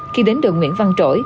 khi đến đường nguyễn văn trỗi